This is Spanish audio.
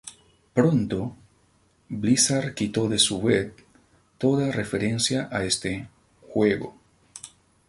Pronto Blizzard quitó de su web toda referencia a este juego.